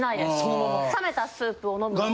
冷めたスープを飲む。